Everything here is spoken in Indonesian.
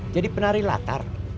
jadi penari latar